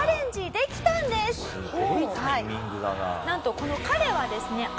なんとこの彼はですね